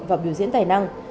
và biểu diễn tài năng